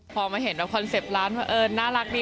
พอมาเห็นว่าคอนเซ็ปต์ร้านน่ารักดี